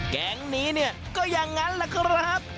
แก๊งนี้เนี่ยก็อย่างนั้นแหละครับ